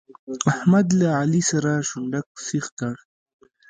احمد له علي سره شونډک سيخ کړ.